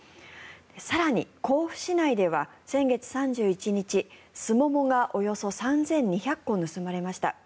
更に甲府市内では先月３１日スモモがおよそ３２００個盗まれました。